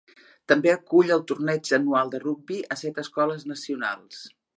També acull el torneig anual de rugbi a set d'escoles nacionals.